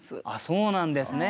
そうなんですね。